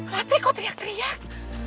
lastri kok teriak teriak